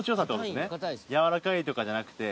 やわらかいとかじゃなくて。